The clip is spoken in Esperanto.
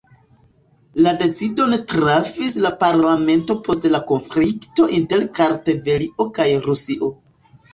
La decidon trafis la parlamento post la konflikto inter Kartvelio kaj Rusio.